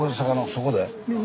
そこで？